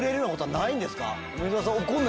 梅沢さん。